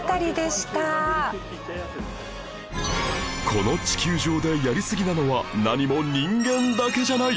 この地球上でやりすぎなのは何も人間だけじゃない！